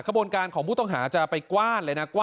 กระบวนการของผู้ต้องหาจะไปกว้าน